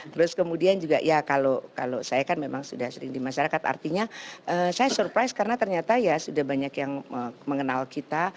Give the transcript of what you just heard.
terus kemudian juga ya kalau saya kan memang sudah sering di masyarakat artinya saya surprise karena ternyata ya sudah banyak yang mengenal kita